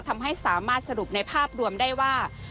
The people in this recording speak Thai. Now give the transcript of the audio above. ทำให้สามารถสรุปในภาพรวมได้ว่า